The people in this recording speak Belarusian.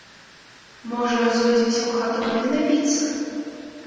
Можа, зойдземся ў хату вады напіцца?